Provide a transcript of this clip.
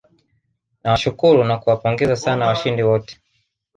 nawashukuru na kuwapongeza sana washindi wote